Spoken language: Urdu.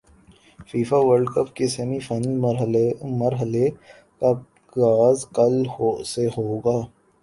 فیفا ورلڈکپ کے سیمی فائنل مرحلے کا غاز کل سے ہو گا